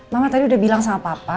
mama tadi udah bilang sama papa